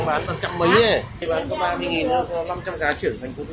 bán có ba mươi đồng có năm trăm linh cái chuyển thành phố tuyết thinh hết rồi